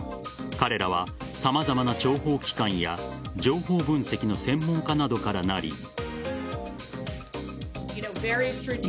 彼らは様々な諜報機関や情報分析の専門家などからなり。